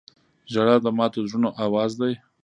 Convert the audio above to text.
• ژړا د ماتو زړونو آواز دی.